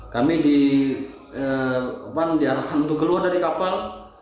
kami diarahkan untuk keluar dari kapal